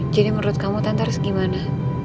jadi menurut kamu tante harus gimana